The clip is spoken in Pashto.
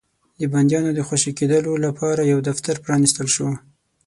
د بنديانو د خوشي کېدلو لپاره يو دفتر پرانيستل شو.